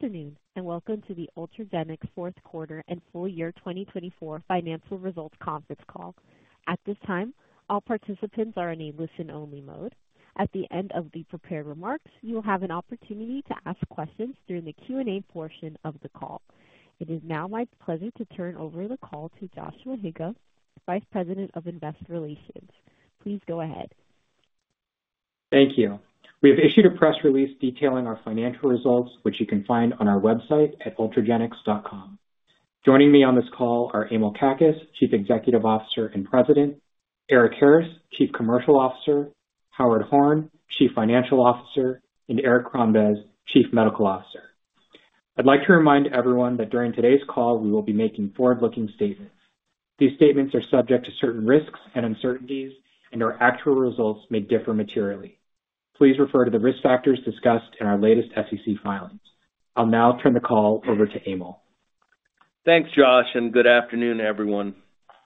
Good afternoon, and welcome to the Ultragenyx Fourth Quarter and Full Year 2024 Financial Results Conference Call. At this time, all participants are in a listen-only mode. At the end of the prepared remarks, you will have an opportunity to ask questions during the Q&A portion of the call. It is now my pleasure to turn over the call to Joshua Higa, Vice President of Investor Relations. Please go ahead. Thank you. We have issued a press release detailing our financial results, which you can find on our website at ultragenyx.com. Joining me on this call are Emil Kakkis, Chief Executive Officer and President, Eric Harris, Chief Commercial Officer, Howard Horn, Chief Financial Officer, and Eric Crombez, Chief Medical Officer. I'd like to remind everyone that during today's call, we will be making forward-looking statements. These statements are subject to certain risks and uncertainties, and our actual results may differ materially. Please refer to the risk factors discussed in our latest SEC filings. I'll now turn the call over to Emil. Thanks, Josh, and good afternoon, everyone.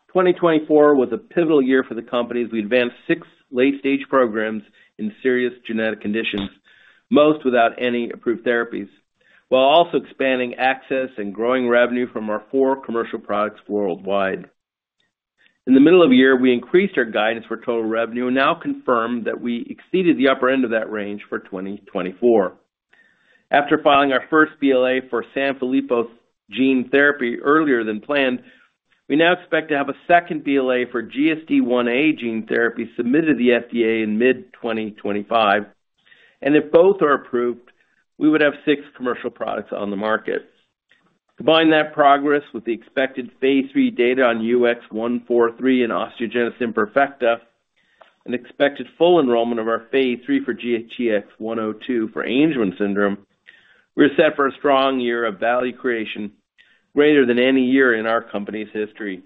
2024 was a pivotal year for the company as we advanced six late-stage programs in serious genetic conditions, most without any approved therapies, while also expanding access and growing revenue from our four commercial products worldwide. In the middle of the year, we increased our guidance for total revenue and now confirm that we exceeded the upper end of that range for 2024. After filing our first BLA for Sanfilippo gene therapy earlier than planned, we now expect to have a second BLA for GSDIa gene therapy submitted to the FDA in mid-2025, and if both are approved, we would have six commercial products on the market. Combine that progress with the expected phase III data on UX143 and osteogenesis imperfecta, and expected full enrollment of our phase III for GTX-102 for Angelman syndrome, we're set for a strong year of value creation greater than any year in our company's history.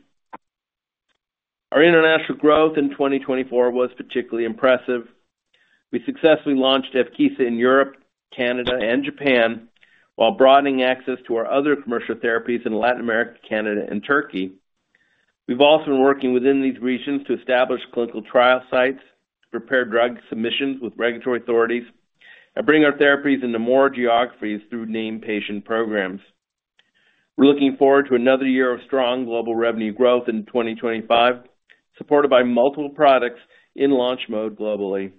Our international growth in 2024 was particularly impressive. We successfully launched Evkeeza in Europe, Canada, and Japan while broadening access to our other commercial therapies in Latin America, Canada, and Turkey. We've also been working within these regions to establish clinical trial sites, to prepare drug submissions with regulatory authorities, and bring our therapies into more geographies through Named Patient programs. We're looking forward to another year of strong global revenue growth in 2025, supported by multiple products in launch mode globally.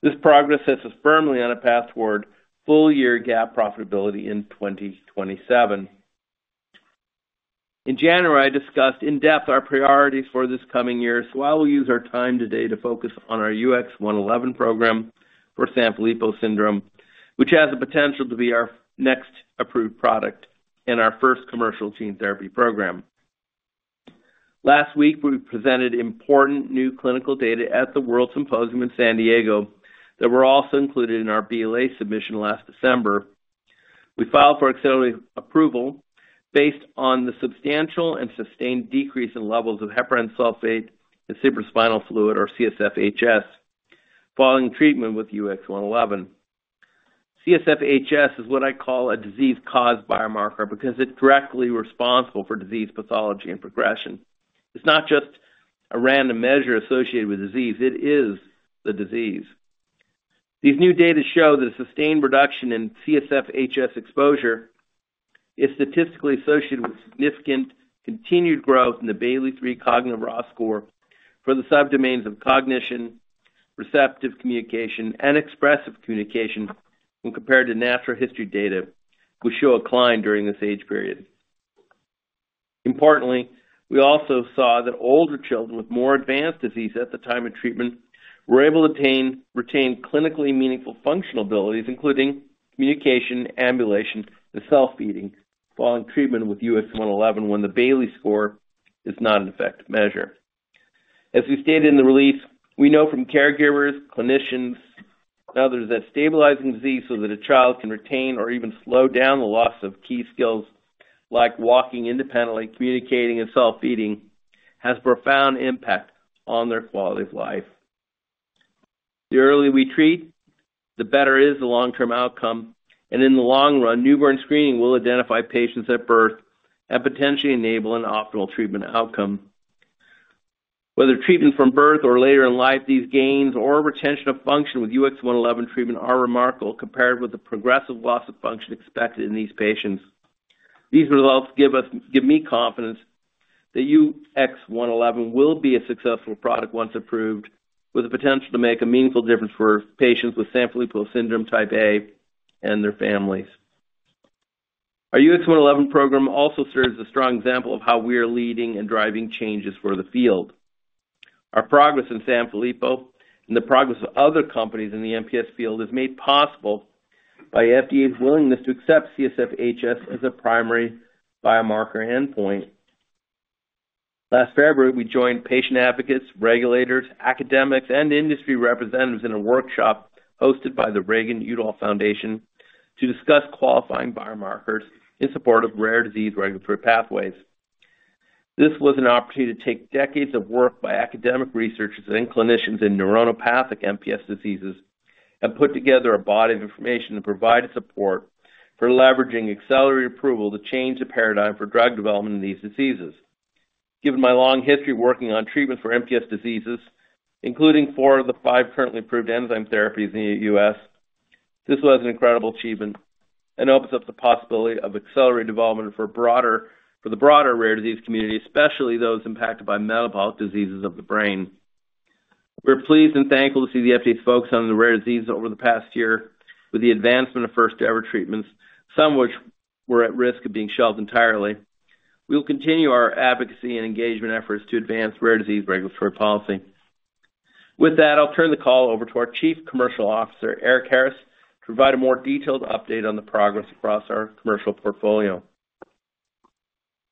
This progress sets us firmly on a path toward full-year GAAP profitability in 2027. In January, I discussed in depth our priorities for this coming year, so I will use our time today to focus on our UX111 program for Sanfilippo syndrome, which has the potential to be our next approved product and our first commercial gene therapy program. Last week, we presented important new clinical data at the World Symposium in San Diego that were also included in our BLA submission last December. We filed for accelerated approval based on the substantial and sustained decrease in levels of heparan sulfate in cerebrospinal fluid, or CSF HS, following treatment with UX111. CSF HS is what I call a disease-caused biomarker because it's directly responsible for disease pathology and progression. It's not just a random measure associated with disease; it is the disease. These new data show that a sustained reduction in CSF HS exposure is statistically associated with significant continued growth in the Bayley-III cognitive raw score for the subdomains of cognition, receptive communication, and expressive communication when compared to natural history data, which show a climb during this age period. Importantly, we also saw that older children with more advanced disease at the time of treatment were able to retain clinically meaningful functional abilities, including communication, ambulation, and self-feeding, following treatment with UX111 when the Bayley score is not an effective measure. As we stated in the release, we know from caregivers, clinicians, and others that stabilizing disease so that a child can retain or even slow down the loss of key skills like walking independently, communicating, and self-feeding has a profound impact on their quality of life. The earlier we treat, the better is the long-term outcome, and in the long run, newborn screening will identify patients at birth and potentially enable an optimal treatment outcome. Whether treatment from birth or later in life, these gains or retention of function with UX111 treatment are remarkable compared with the progressive loss of function expected in these patients. These results give me confidence that UX111 will be a successful product once approved, with the potential to make a meaningful difference for patients with Sanfilippo syndrome type A and their families. Our UX111 program also serves as a strong example of how we are leading and driving changes for the field. Our progress in Sanfilippo and the progress of other companies in the MPS field is made possible by the FDA's willingness to accept CSF HS as a primary biomarker endpoint. Last February, we joined patient advocates, regulators, academics, and industry representatives in a workshop hosted by the Reagan-Udall Foundation to discuss qualifying biomarkers in support of rare disease regulatory pathways. This was an opportunity to take decades of work by academic researchers and clinicians in neuronopathic MPS diseases and put together a body of information to provide support for leveraging accelerated approval to change the paradigm for drug development in these diseases. Given my long history of working on treatments for MPS diseases, including four of the five currently approved enzyme therapies in the U.S., this was an incredible achievement and opens up the possibility of accelerated development for the broader rare disease community, especially those impacted by metabolic diseases of the brain. We're pleased and thankful to see the FDA's focus on the rare disease over the past year with the advancement of first-ever treatments, some of which were at risk of being shelved entirely. We will continue our advocacy and engagement efforts to advance rare disease regulatory policy. With that, I'll turn the call over to our Chief Commercial Officer, Eric Harris, to provide a more detailed update on the progress across our commercial portfolio.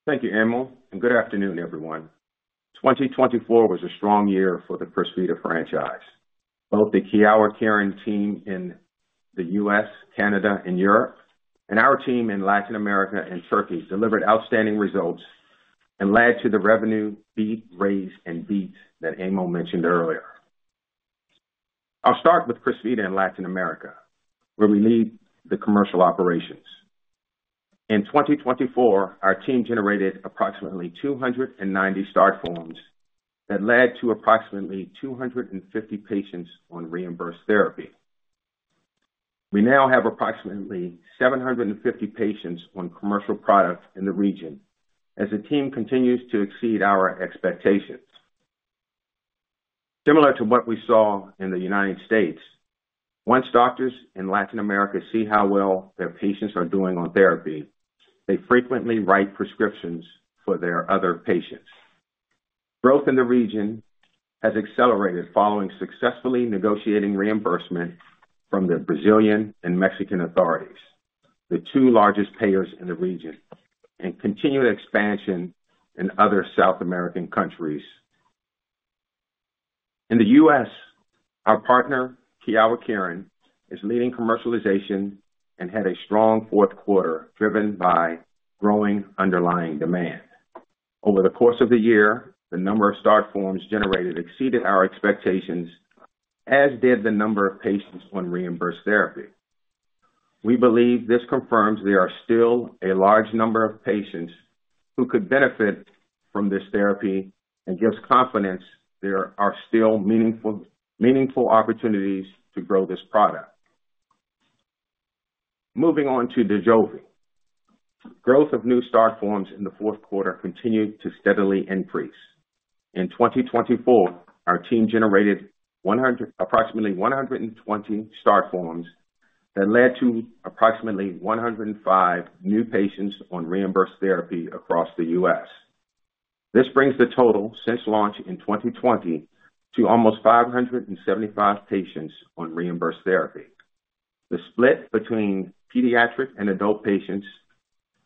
Thank you, Emil, and good afternoon, everyone. 2024 was a strong year for the Crysvita franchise. Both the Kyowa Kirin team in the U.S., Canada, and Europe, and our team in Latin America and Turkey delivered outstanding results and led to the revenue beat, raise, and beat that Emil mentioned earlier. I'll start with Crysvita in Latin America, where we lead the commercial operations. In 2024, our team generated approximately 290 start forms that led to approximately 250 patients on reimbursed therapy. We now have approximately 750 patients on commercial products in the region as the team continues to exceed our expectations. Similar to what we saw in the United States, once doctors in Latin America see how well their patients are doing on therapy, they frequently write prescriptions for their other patients. Growth in the region has accelerated following successfully negotiating reimbursement from the Brazilian and Mexican authorities, the two largest payers in the region, and continued expansion in other South American countries. In the U.S., our partner, Kyowa Kirin, is leading commercialization and had a strong fourth quarter driven by growing underlying demand. Over the course of the year, the number of start forms generated exceeded our expectations, as did the number of patients on reimbursed therapy. We believe this confirms there are still a large number of patients who could benefit from this therapy and gives confidence there are still meaningful opportunities to grow this product. Moving on to Dojolvi, growth of new start forms in the fourth quarter continued to steadily increase. In 2024, our team generated approximately 120 start forms that led to approximately 105 new patients on reimbursed therapy across the U.S. This brings the total since launch in 2020 to almost 575 patients on reimbursed therapy. The split between pediatric and adult patients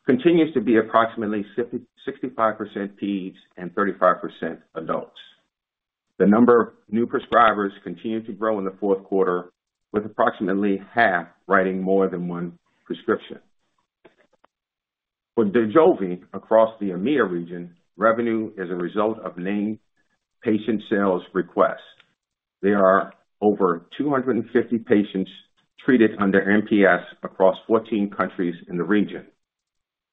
continues to be approximately 65% peds and 35% adults. The number of new prescribers continued to grow in the fourth quarter, with approximately half writing more than one prescription. For Dojolvi across the EMEA region, revenue is a result of named patient sales requests. There are over 250 patients treated under MPS across 14 countries in the region.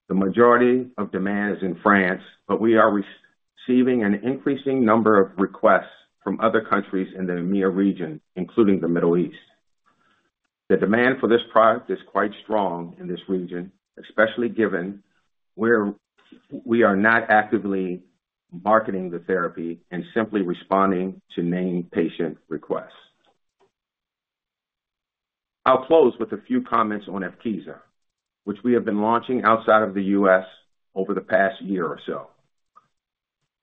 The majority of demand is in France, but we are receiving an increasing number of requests from other countries in the EMEA region, including the Middle East. The demand for this product is quite strong in this region, especially given where we are not actively marketing the therapy and simply responding to named patient requests. I'll close with a few comments on Evkeeza, which we have been launching outside of the U.S. over the past year or so.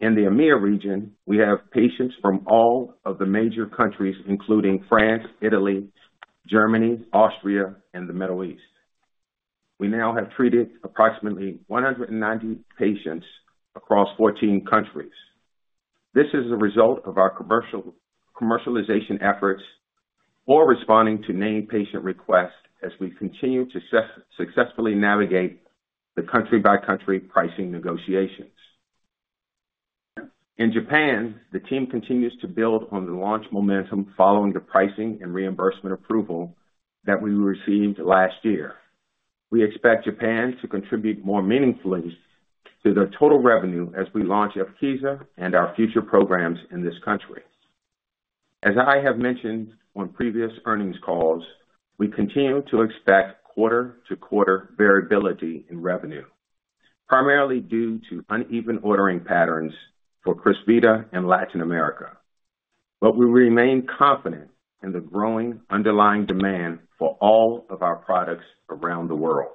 In the EMEA region, we have patients from all of the major countries, including France, Italy, Germany, Austria, and the Middle East. We now have treated approximately 190 patients across 14 countries. This is a result of our commercialization efforts for responding to named patient requests as we continue to successfully navigate the country-by-country pricing negotiations. In Japan, the team continues to build on the launch momentum following the pricing and reimbursement approval that we received last year. We expect Japan to contribute more meaningfully to the total revenue as we launch Evkeeza and our future programs in this country. As I have mentioned on previous earnings calls, we continue to expect quarter-to-quarter variability in revenue, primarily due to uneven ordering patterns for Crysvita and Latin America. But we remain confident in the growing underlying demand for all of our products around the world.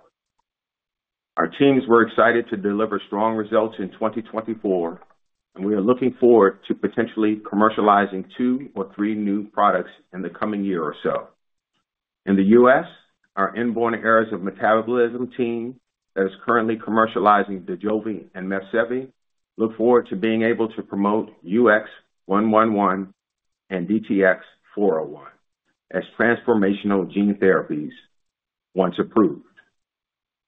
Our teams were excited to deliver strong results in 2024, and we are looking forward to potentially commercializing two or three new products in the coming year or so. In the U.S., our inborn errors of metabolism team that is currently commercializing Dojolvi and Mepsevii look forward to being able to promote UX111 and DTX401 as transformational gene therapies once approved.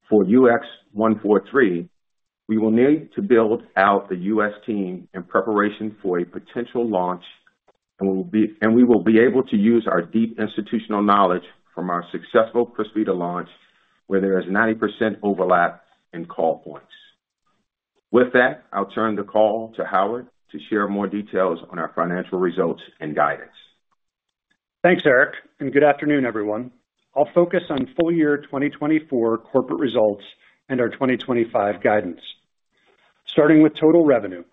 For UX143, we will need to build out the U.S. team in preparation for a potential launch, and we will be able to use our deep institutional knowledge from our successful Crysvita launch, where there is 90% overlap in call points. With that, I'll turn the call to Howard to share more details on our financial results and guidance. Thanks, Eric, and good afternoon, everyone. I'll focus on full year 2024 corporate results and our 2025 guidance. Starting with total revenue,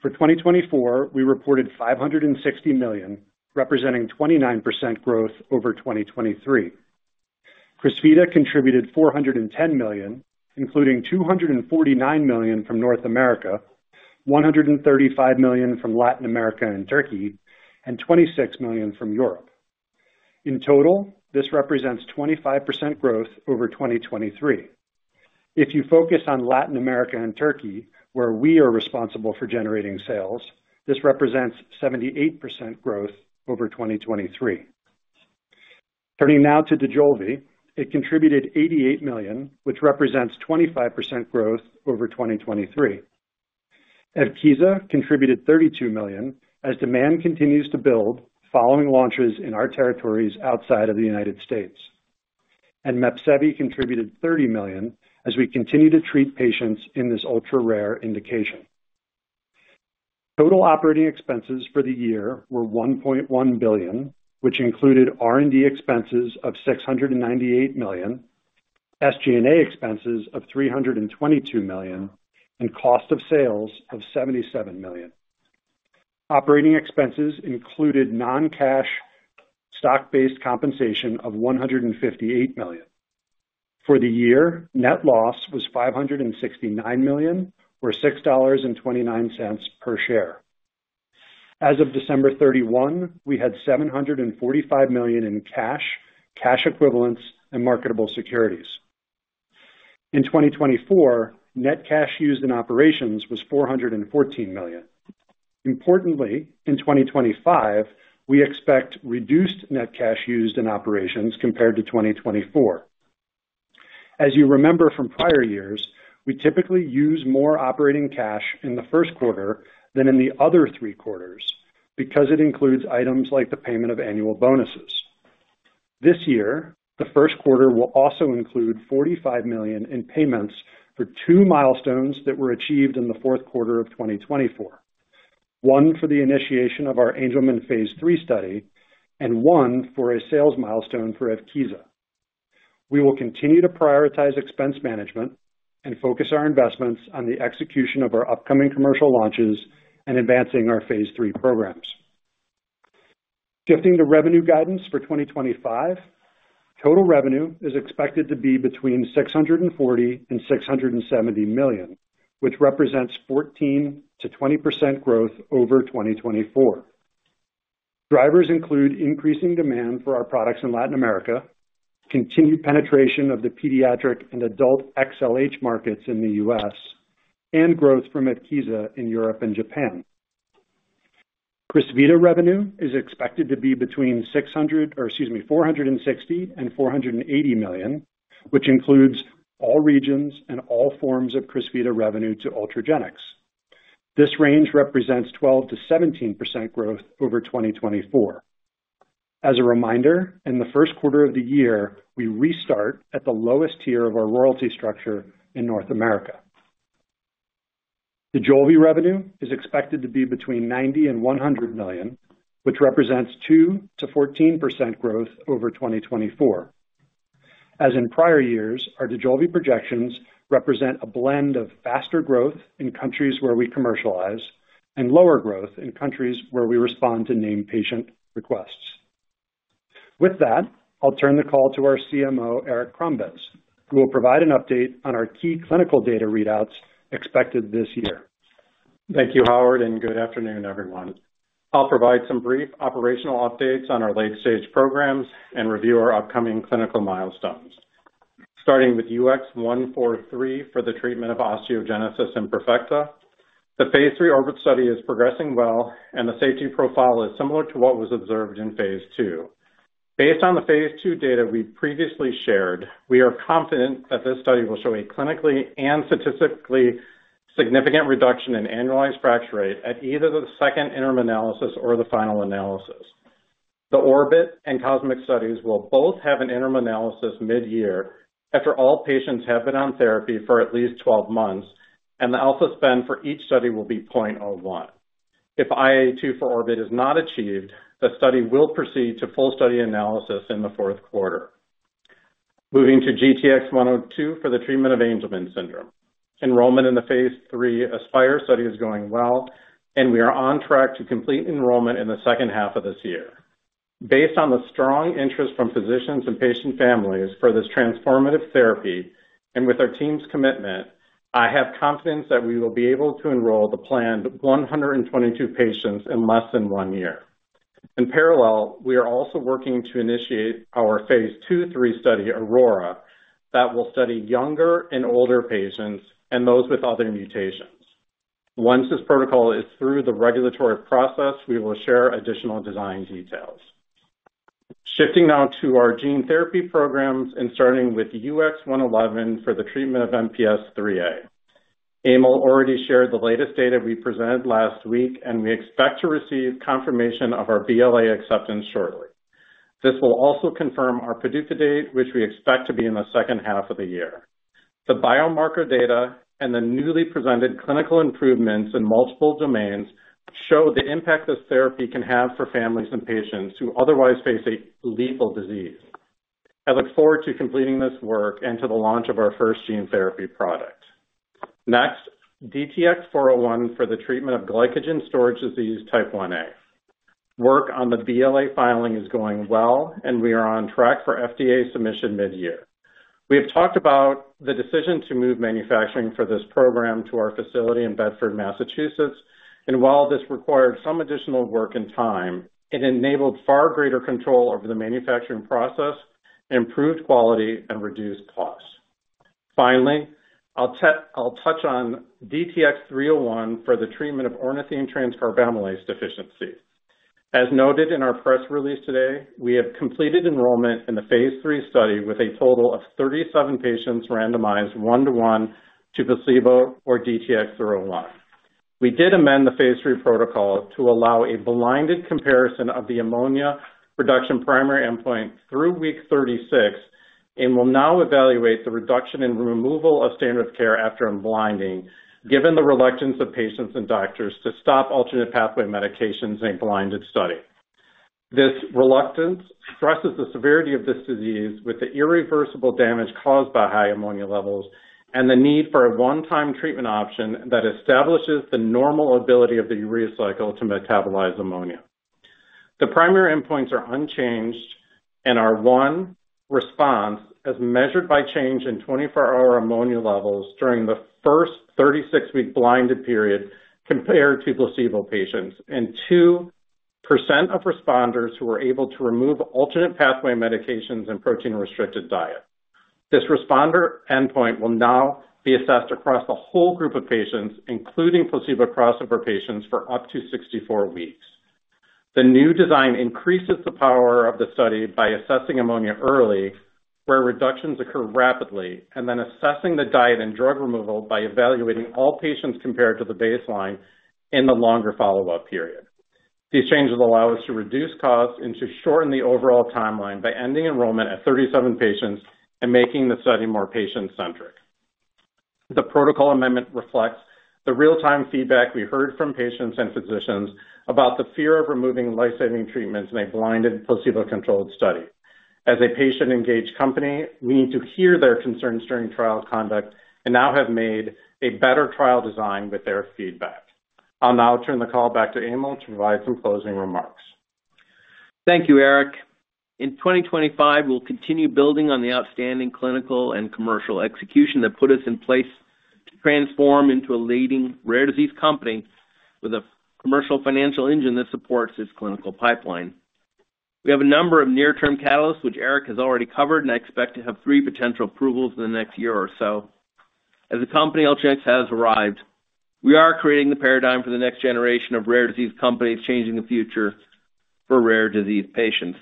for 2024, we reported $560 million, representing 29% growth over 2023. Crysvita contributed $410 million, including $249 million from North America, $135 million from Latin America and Turkey, and $26 million from Europe. In total, this represents 25% growth over 2023. If you focus on Latin America and Turkey, where we are responsible for generating sales, this represents 78% growth over 2023. Turning now to Dojolvi, it contributed $88 million, which represents 25% growth over 2023. Evkeeza contributed $32 million as demand continues to build following launches in our territories outside of the United States. And Mepsevii contributed $30 million as we continue to treat patients in this ultra-rare indication. Total operating expenses for the year were $1.1 billion, which included R&D expenses of $698 million, SG&A expenses of $322 million, and cost of sales of $77 million. Operating expenses included non-cash stock-based compensation of $158 million. For the year, net loss was $569 million, or $6.29 per share. As of December 31, we had $745 million in cash, cash equivalents, and marketable securities. In 2024, net cash used in operations was $414 million. Importantly, in 2025, we expect reduced net cash used in operations compared to 2024. As you remember from prior years, we typically use more operating cash in the first quarter than in the other three quarters because it includes items like the payment of annual bonuses. This year, the first quarter will also include $45 million in payments for two milestones that were achieved in the fourth quarter of 2024: one for the initiation of our Angelman phase III study and one for a sales milestone for Evkeeza. We will continue to prioritize expense management and focus our investments on the execution of our upcoming commercial launches and advancing our phase III programs. Shifting to revenue guidance for 2025, total revenue is expected to be between $640 million and $670 million, which represents 14%-20% growth over 2024. Drivers include increasing demand for our products in Latin America, continued penetration of the pediatric and adult XLH markets in the U.S., and growth from Evkeeza in Europe and Japan. Crysvita revenue is expected to be between $460 million and $480 million, which includes all regions and all forms of Crysvita revenue to Ultragenyx. This range represents 12%-17% growth over 2024. As a reminder, in the first quarter of the year, we restart at the lowest tier of our royalty structure in North America. Dojolvi revenue is expected to be between $90 million and $100 million, which represents 2%-14% growth over 2024. As in prior years, our Dojolvi projections represent a blend of faster growth in countries where we commercialize and lower growth in countries where we respond to named patient requests. With that, I'll turn the call to our CMO, Eric Crombez, who will provide an update on our key clinical data readouts expected this year. Thank you, Howard, and good afternoon, everyone. I'll provide some brief operational updates on our late-stage programs and review our upcoming clinical milestones. Starting with UX143 for the treatment of osteogenesis imperfecta, the phase III Orbit study is progressing well, and the safety profile is similar to what was observed in phase II. Based on the phase II data we previously shared, we are confident that this study will show a clinically and statistically significant reduction in annualized fracture rate at either the second interim analysis or the final analysis. The orbit and Cosmic studies will both have an interim analysis mid-year after all patients have been on therapy for at least 12 months, and the alpha spend for each study will be 0.01. If IA2 for orbit is not achieved, the study will proceed to full study analysis in the fourth quarter. Moving to GTX-102 for the treatment of Angelman syndrome. Enrollment in the Phase III ASPIRE study is going well, and we are on track to complete enrollment in the second half of this year. Based on the strong interest from physicians and patient families for this transformative therapy and with our team's commitment, I have confidence that we will be able to enroll the planned 122 patients in less than one year. In parallel, we are also working to initiate our Phase II/III study, AURORA, that will study younger and older patients and those with other mutations. Once this protocol is through the regulatory process, we will share additional design details. Shifting now to our gene therapy programs and starting with UX111 for the treatment of MPS IIIA. Emil already shared the latest data we presented last week, and we expect to receive confirmation of our BLA acceptance shortly. This will also confirm our product date, which we expect to be in the second half of the year. The biomarker data and the newly presented clinical improvements in multiple domains show the impact this therapy can have for families and patients who otherwise face a lethal disease. I look forward to completing this work and to the launch of our first gene therapy product. Next, DTX401 for the treatment of glycogen storage disease type Ia. Work on the BLA filing is going well, and we are on track for FDA submission mid-year. We have talked about the decision to move manufacturing for this program to our facility in Bedford, Massachusetts, and while this required some additional work and time, it enabled far greater control over the manufacturing process, improved quality, and reduced costs. Finally, I'll touch on DTX301 for the treatment of ornithine transcarbamylase deficiency. As noted in our press release today, we have completed enrollment in the phase III study with a total of 37 patients randomized one-to-one to placebo or DTX301. We did amend the phase III protocol to allow a blinded comparison of the ammonia reduction primary endpoint through week 36 and will now evaluate the reduction in removal of standard of care after blinding, given the reluctance of patients and doctors to stop alternate pathway medications in a blinded study. This reluctance stresses the severity of this disease with the irreversible damage caused by high ammonia levels and the need for a one-time treatment option that establishes the normal ability of the urea cycle to metabolize ammonia. The primary endpoints are unchanged and are: one, response as measured by change in 24-hour ammonia levels during the first 36-week blinded period compared to placebo patients, and two, % of responders who were able to remove alternate pathway medications and protein-restricted diet. This responder endpoint will now be assessed across the whole group of patients, including placebo crossover patients, for up to 64 weeks. The new design increases the power of the study by assessing ammonia early, where reductions occur rapidly, and then assessing the diet and drug removal by evaluating all patients compared to the baseline in the longer follow-up period. These changes allow us to reduce costs and to shorten the overall timeline by ending enrollment at 37 patients and making the study more patient-centric. The protocol amendment reflects the real-time feedback we heard from patients and physicians about the fear of removing lifesaving treatments in a blinded placebo-controlled study. As a patient-engaged company, we need to hear their concerns during trial conduct and now have made a better trial design with their feedback. I'll now turn the call back to Emil to provide some closing remarks. Thank you, Eric. In 2025, we'll continue building on the outstanding clinical and commercial execution that put us in place to transform into a leading rare disease company with a commercial financial engine that supports its clinical pipeline. We have a number of near-term catalysts, which Eric has already covered, and I expect to have three potential approvals in the next year or so. As the company ultimately has arrived, we are creating the paradigm for the next generation of rare disease companies changing the future for rare disease patients.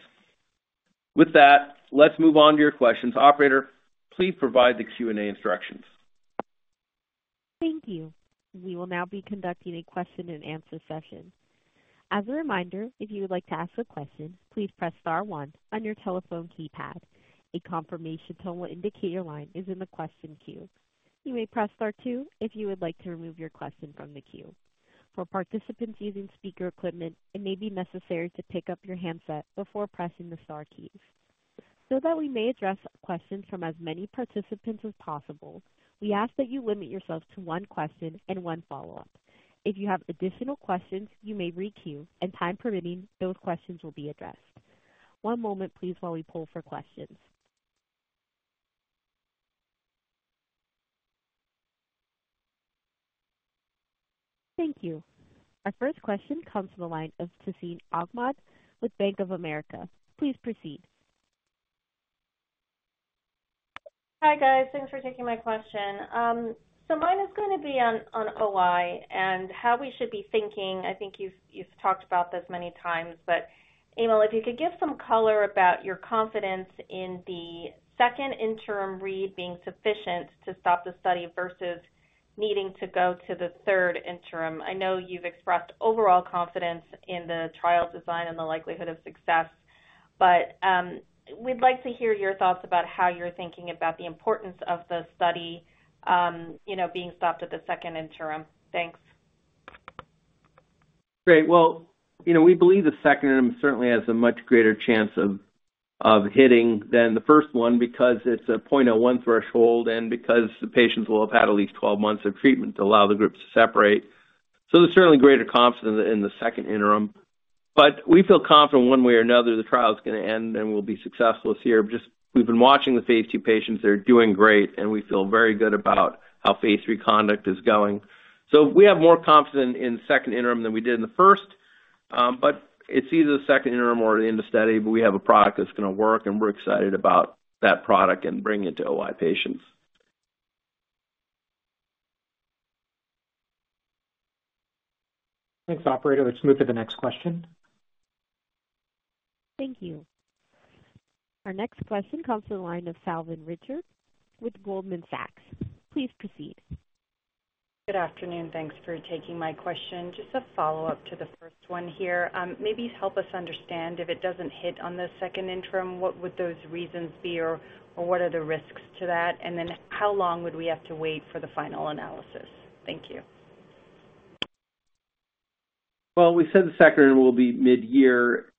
With that, let's move on to your questions. Operator, please provide the Q&A instructions. Thank you. We will now be conducting a question and answer session. As a reminder, if you would like to ask a question, please press star one on your telephone keypad. A confirmation tone will indicate your line is in the question queue. You may press star two if you would like to remove your question from the queue. For participants using speaker equipment, it may be necessary to pick up your handset before pressing the star keys. So that we may address questions from as many participants as possible, we ask that you limit yourself to one question and one follow-up. If you have additional questions, you may re-queue, and time permitting, those questions will be addressed. One moment, please, while we pull for questions. Thank you. Our first question comes from the line of Tazeen Ahmad with Bank of America. Please proceed. Hi, guys. Thanks for taking my question. So mine is going to be on OI and how we should be thinking. I think you've talked about this many times, but Emil, if you could give some color about your confidence in the second interim read being sufficient to stop the study versus needing to go to the third interim? I know you've expressed overall confidence in the trial design and the likelihood of success, but we'd like to hear your thoughts about how you're thinking about the importance of the study being stopped at the second interim. Thanks. Great. Well, we believe the second interim certainly has a much greater chance of hitting than the first one because it's a 0.01 threshold and because the patients will have had at least 12 months of treatment to allow the groups to separate. So there's certainly greater confidence in the second interim. But we feel confident one way or another the trial is going to end and we'll be successful this year. We've been watching the phase II patients. They're doing great, and we feel very good about how phase III conduct is going. So we have more confidence in the second interim than we did in the first, but it's either the second interim or the end of study, but we have a product that's going to work, and we're excited about that product and bringing it to OI patients. Thanks, Operator. Let's move to the next question. Thank you. Our next question comes from the line of Salveen Richter with Goldman Sachs. Please proceed. Good afternoon. Thanks for taking my question. Just a follow-up to the first one here. Maybe help us understand if it doesn't hit on the second interim, what would those reasons be, or what are the risks to that, and then how long would we have to wait for the final analysis? Thank you. We said the second interim will be mid-year.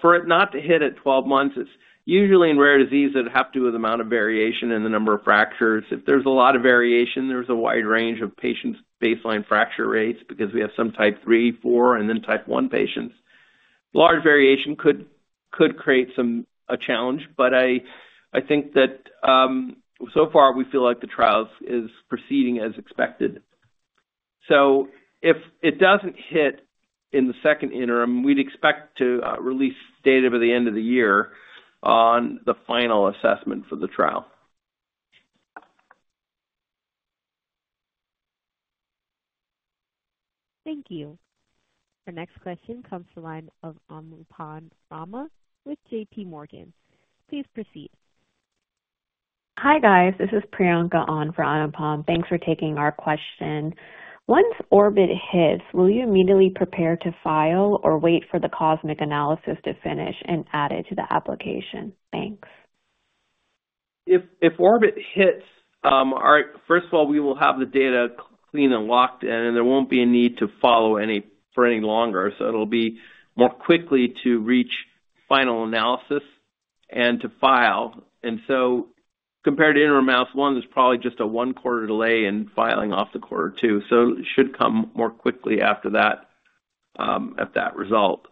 For it not to hit at 12 months, it's usually in rare disease that have to do with the amount of variation and the number of fractures. If there's a lot of variation, there's a wide range of patients' baseline fracture rates because we have some type 3, 4, and then type 1 patients. Large variation could create a challenge, but I think that so far we feel like the trial is proceeding as expected. If it doesn't hit in the second interim, we'd expect to release data by the end of the year on the final assessment for the trial. Thank you. Our next question comes from the line of Anupam Rama with J.P. Morgan. Please proceed. Hi, guys. This is Priyanka for Anupam. Thanks for taking our question. Once orbit hits, will you immediately prepare to file or wait for the cosmic analysis to finish and add it to the application? Thanks. If ORBIT hits, first of all, we will have the data cleaned and locked, and there won't be a need to follow for any longer. So it'll be more quickly to reach final analysis and to file. And so compared to interim analysis one, there's probably just a one-quarter delay in filing off the quarter two. So it should come more quickly after that result.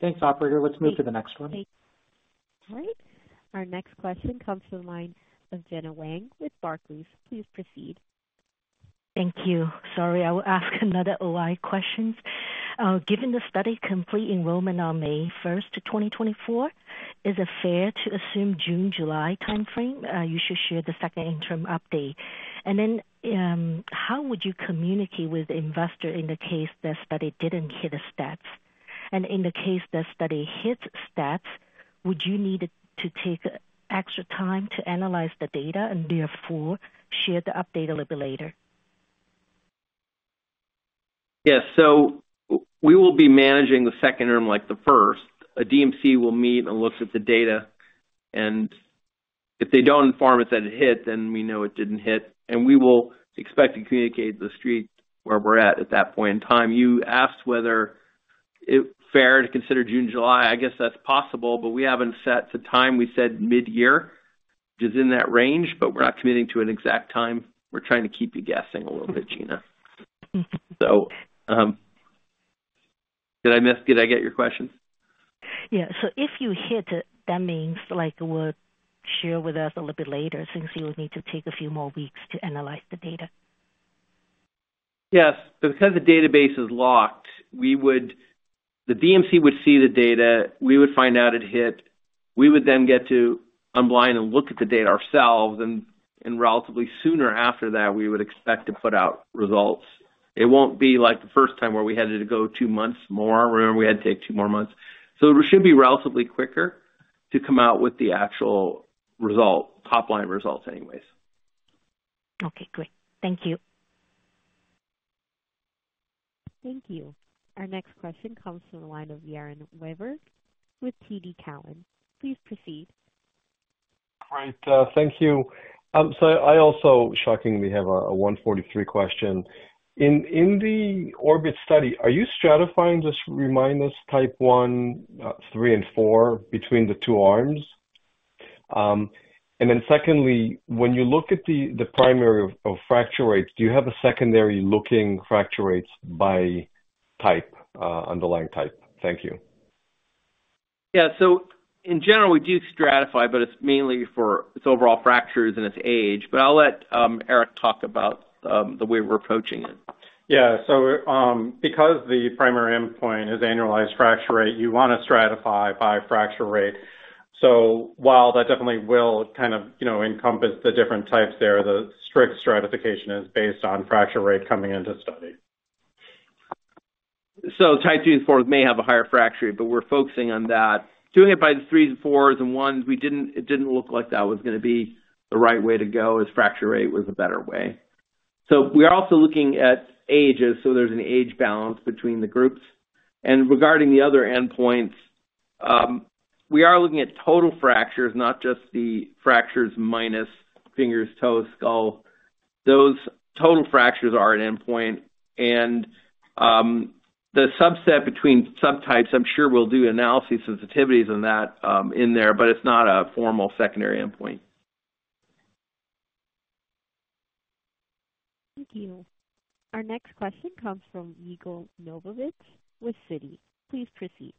Thanks, Operator. Let's move to the next one. All right. Our next question comes from the line of Gena Wang with Barclays. Please proceed. Thank you. Sorry, I will ask another OI question. Given the study completed enrollment on May 1st, 2024, is it fair to assume June, July timeframe you should share the second interim update? Then how would you communicate with the investor in the case the study didn't hit the stats? In the case the study hits stats, would you need to take extra time to analyze the data and therefore share the update a little bit later? Yes. So we will be managing the second interim like the first. A DMC will meet and look at the data. And if they don't inform us that it hit, then we know it didn't hit. And we will expect to communicate to the Street where we're at at that point in time. You asked whether it's fair to consider June and July. I guess that's possible, but we haven't set the time. We said mid-year, which is in that range, but we're not committing to an exact time. We're trying to keep you guessing a little bit, Gena. So did I get your question? Yeah. So if you hit it, that means it would share with us a little bit later since you would need to take a few more weeks to analyze the data. Yes. Because the database is locked, the DMC would see the data. We would find out it hit. We would then get to unblind and look at the data ourselves, and relatively sooner after that, we would expect to put out results. It won't be like the first time where we had to go two months more. We had to take two more months, so it should be relatively quicker to come out with the actual top-line results anyways. Okay. Great. Thank you. Thank you. Our next question comes from the line of Yaron Werber with TD Cowen. Please proceed. All right. Thank you. So I also, shockingly, have a 143 question. In the ORBIT study, are you stratifying just to remind us type 1, 3, and 4 between the two arms? And then secondly, when you look at the primary of fracture rates, do you have a secondary looking fracture rates by type, underlying type? Thank you. Yeah. So in general, we do stratify, but it's mainly for its overall fractures and its age. But I'll let Eric talk about the way we're approaching it. Yeah. So because the primary endpoint is annualized fracture rate, you want to stratify by fracture rate. So while that definitely will kind of encompass the different types there, the strict stratification is based on fracture rate coming into study. Type two and four may have a higher fracture rate, but we're focusing on that. Doing it by the threes and fours and ones, it didn't look like that was going to be the right way to go as fracture rate was a better way. We are also looking at ages. There's an age balance between the groups. Regarding the other endpoints, we are looking at total fractures, not just the fractures minus fingers, toes, skull. Those total fractures are an endpoint. The subset between subtypes, I'm sure we'll do sensitivity analyses in there, but it's not a formal secondary endpoint. Thank you. Our next question comes from Yigal Nochomovitz with Citi. Please proceed.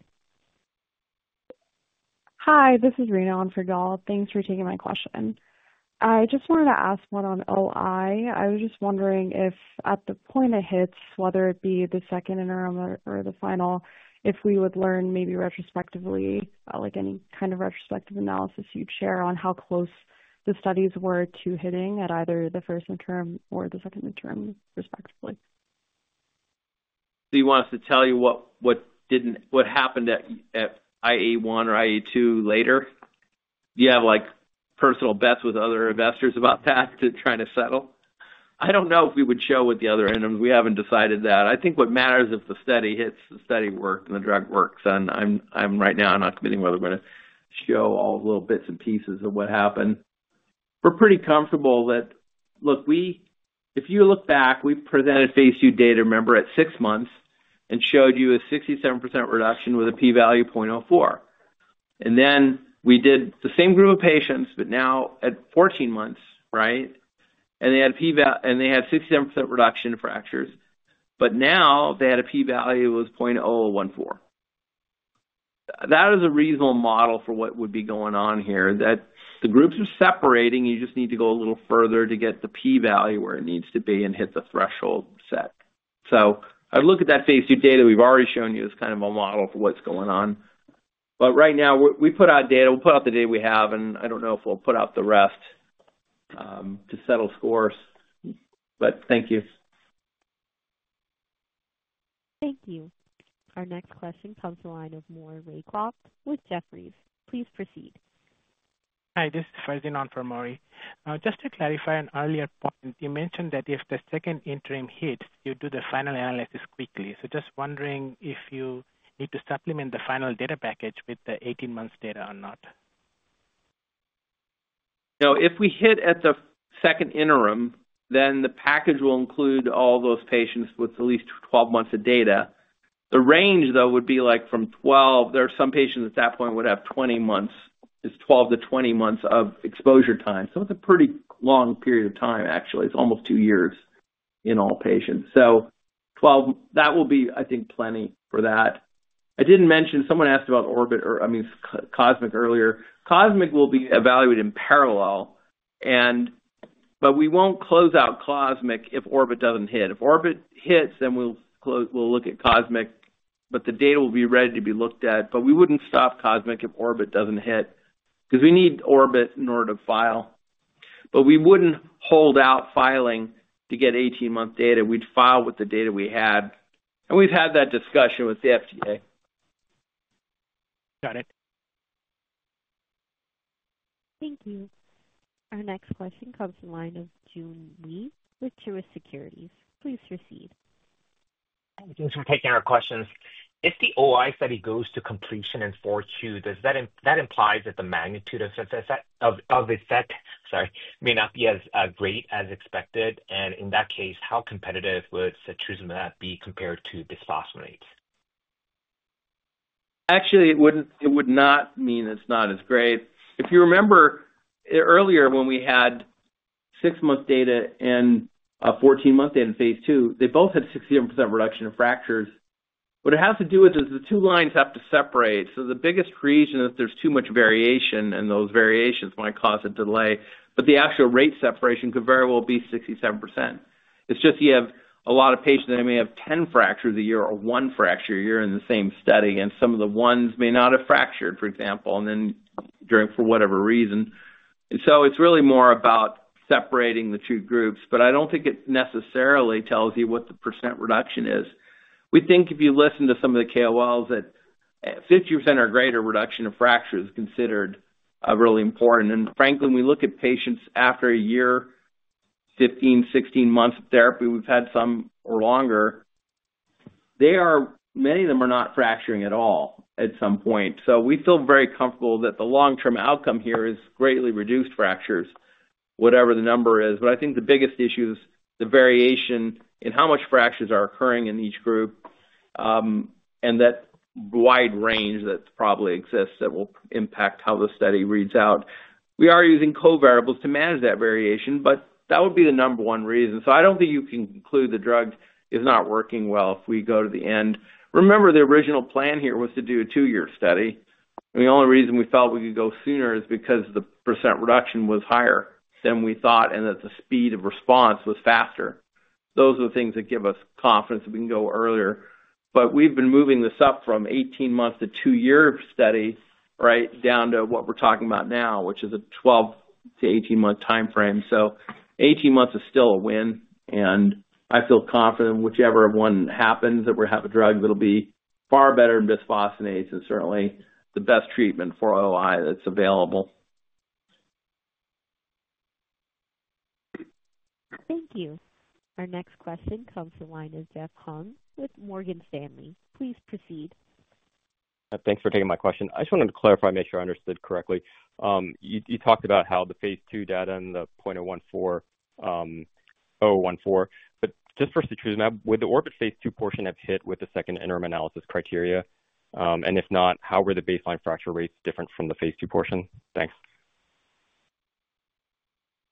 Hi. This is Rena on for Yigal. Thanks for taking my question. I just wanted to ask one on OI. I was just wondering if at the point it hits, whether it be the second interim or the final, if we would learn maybe retrospectively any kind of retrospective analysis you'd share on how close the studies were to hitting at either the first interim or the second interim respectively? Do you want us to tell you what happened at IA1 or IA2 later? Do you have personal bets with other investors about that to try to settle? I don't know if we would show with the other interims. We haven't decided that. I think what matters is if the study hits, the study works, and the drug works, and right now, I'm not committing whether we're going to show all the little bits and pieces of what happened. We're pretty comfortable that, look, if you look back, we presented phase II data, remember, at six months and showed you a 67% reduction with a p-value of 0.04, and then we did the same group of patients, but now at 14 months, right? And they had a p-value and they had 67% reduction in fractures, but now they had a p-value that was 0.014. That is a reasonable model for what would be going on here, that the groups are separating. You just need to go a little further to get the p-value where it needs to be and hit the threshold set. So I'd look at that phase II data we've already shown you as kind of a model for what's going on. But right now, we put out data. We'll put out the data we have, and I don't know if we'll put out the rest to settle scores. But thank you. Thank you. Our next question comes from the line of Maury Raycroft with Jefferies. Please proceed. Hi. This is Farzin on for Maury. Just to clarify an earlier point, you mentioned that if the second interim hits, you do the final analysis quickly. So just wondering if you need to supplement the final data package with the 18-month data or not? No. If we hit at the second interim, then the package will include all those patients with at least 12 months of data. The range, though, would be from 12. There are some patients at that point would have 20 months. It's 12 to 20 months of exposure time. So it's a pretty long period of time, actually. It's almost two years in all patients. So 12, that will be, I think, plenty for that. I didn't mention someone asked about ORBIT or, I mean, COSMIC earlier. COSMIC will be evaluated in parallel. But we won't close out COSMIC if ORBIT doesn't hit. If ORBIT hits, then we'll look at COSMIC, but the data will be ready to be looked at. But we wouldn't stop COSMIC if ORBIT doesn't hit because we need ORBIT in order to file. But we wouldn't hold out filing to get 18-month data. We'd file with the data we had, and we've had that discussion with the FDA. Got it. Thank you. Our next question comes from the line of Jonathan Wolleben with JMP Securities. Please proceed. Thanks for taking our questions. If the OI study goes to completion in 4Q, that implies that the magnitude of setrusumab may not be as great as expected. And in that case, how competitive would setrusumab be compared to bisphosphonates? Actually, it would not mean it's not as great. If you remember earlier when we had 6-month data and a 14-month data in phase II, they both had 67% reduction in fractures. What it has to do with is the two lines have to separate. So the biggest reason is there's too much variation, and those variations might cause a delay. But the actual rate separation could very well be 67%. It's just you have a lot of patients that may have 10 fractures a year or one fracture a year in the same study, and some of the ones may not have fractured, for example, and then for whatever reason. And so it's really more about separating the two groups. But I don't think it necessarily tells you what the % reduction is. We think if you listen to some of the KOLs that 50% or greater reduction of fracture is considered really important. And frankly, when we look at patients after a year, 15, 16 months of therapy, we've had some or longer, many of them are not fracturing at all at some point. So we feel very comfortable that the long-term outcome here is greatly reduced fractures, whatever the number is. But I think the biggest issue is the variation in how much fractures are occurring in each group and that wide range that probably exists that will impact how the study reads out. We are using covariables to manage that variation, but that would be the number one reason. So I don't think you can conclude the drug is not working well if we go to the end. Remember, the original plan here was to do a two-year study. And the only reason we felt we could go sooner is because the percent reduction was higher than we thought and that the speed of response was faster. Those are the things that give us confidence that we can go earlier. But we've been moving this up from 18-month to two-year study, right, down to what we're talking about now, which is a 12 to 18-month timeframe. So 18 months is still a win. And I feel confident whichever one happens that we have a drug that'll be far better than bisphosphonates and certainly the best treatment for OI that's available. Thank you. Our next question comes from the line of Jeff Hung with Morgan Stanley. Please proceed. Thanks for taking my question. I just wanted to clarify and make sure I understood correctly. You talked about how the phase II data and the 0.014, but just for setrusumab, would the Orbit phase II portion have hit with the second interim analysis criteria? And if not, how were the baseline fracture rates different from the phase II portion? Thanks.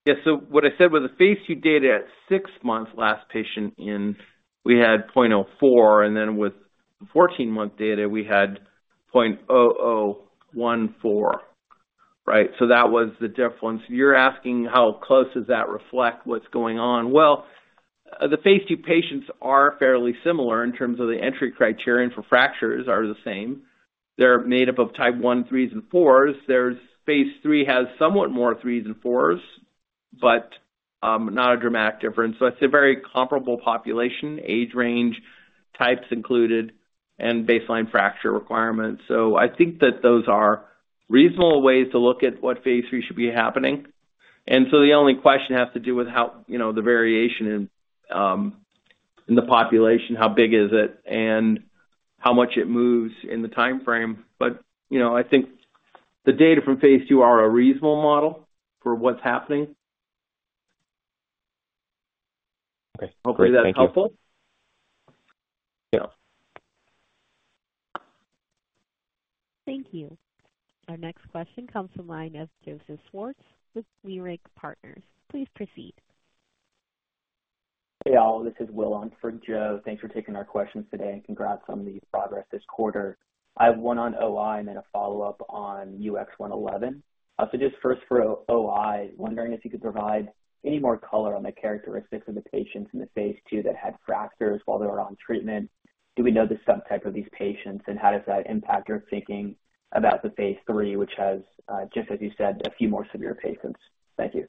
Yeah. So what I said with the phase II data at six months last patient in, we had 0.04. And then with the 14-month data, we had 0.0014, right? So that was the difference. You're asking how close does that reflect what's going on? Well, the phase II patients are fairly similar in terms of the entry criteria for fractures are the same. They're made up of type 1, 3s, and 4s. phase III has somewhat more 3s and 4s, but not a dramatic difference. So it's a very comparable population, age range, types included, and baseline fracture requirements. So I think that those are reasonable ways to look at what phase III should be happening. And so the only question has to do with the variation in the population, how big is it, and how much it moves in the timeframe. But I think the data from phase II are a reasonable model for what's happening. Okay. Thank you. Hopefully, that's helpful. Thank you. Our next question comes from the line of Joseph Schwartz with Leerink Partners. Please proceed. Hey, all. This is Will on for Joe. Thanks for taking our questions today and congrats on the progress this quarter. I have one on OI and then a follow-up on UX111. So just first for OI, wondering if you could provide any more color on the characteristics of the patients in the phase II that had fractures while they were on treatment? Do we know the subtype of these patients? And how does that impact your thinking about the phase III, which has, just as you said, a few more severe patients? Thank you.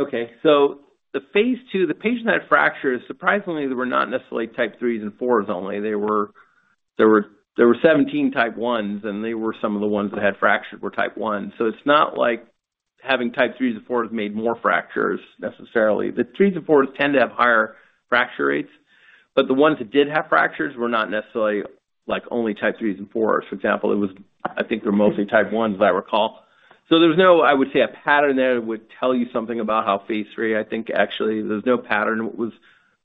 Okay. So the phase II, the patients that had fractures, surprisingly, they were not necessarily type 3s and 4s only. There were 17 type ones, and they were some of the ones that had fractured were type 1. So it's not like having type 3s and 4s made more fractures necessarily. The 3s and 4s tend to have higher fracture rates. But the ones that did have fractures were not necessarily only type 3s and 4s. For example, I think they're mostly type 1s, as I recall. So there was no, I would say, a pattern there that would tell you something about how phase III. I think actually there's no pattern. What was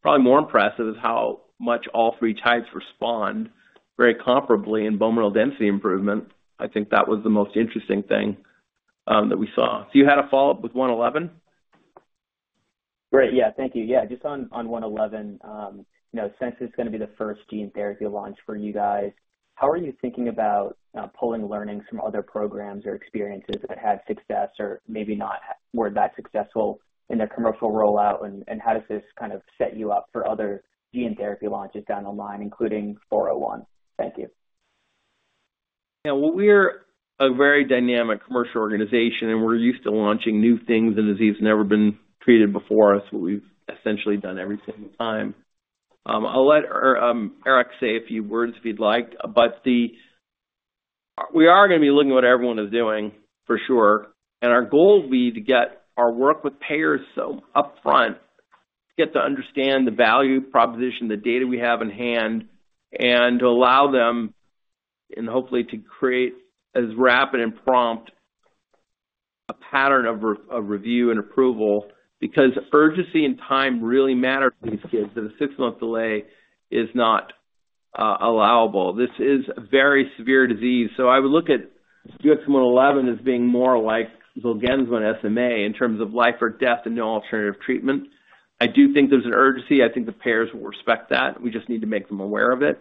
probably more impressive is how much all three types respond very comparably in bone mineral density improvement. I think that was the most interesting thing that we saw. So you had a follow-up with 1011? Great. Yeah. Thank you. Yeah. Just on 1011, since it's going to be the first gene therapy launch for you guys, how are you thinking about pulling learnings from other programs or experiences that had success or maybe not were that successful in their commercial rollout? And how does this kind of set you up for other gene therapy launches down the line, including 401? Thank you. Yeah. Well, we're a very dynamic commercial organization, and we're used to launching new things and diseases that have never been treated before. That's what we've essentially done every single time. I'll let Eric say a few words if he'd like. But we are going to be looking at what everyone is doing, for sure. And our goal will be to get our work with payers upfront, get to understand the value proposition, the data we have in hand, and to allow them, and hopefully to create as rapid and prompt a pattern of review and approval because urgency and time really matter to these kids. The six-month delay is not allowable. This is a very severe disease. So I would look at UX111 as being more like Zolgensma and SMA in terms of life or death and no alternative treatment. I do think there's an urgency. I think the payers will respect that. We just need to make them aware of it.